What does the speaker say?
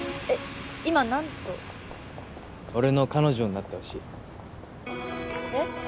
えっ今何と俺の彼女になってほしいえっ？